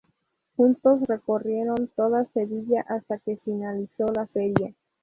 Juntos recorrieron toda Sevilla hasta que finalizó la feria.